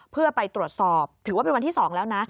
เพื่อไปตรวจสอบถือว่าเป็นวันที่๒แล้วนะ